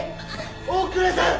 大倉さん！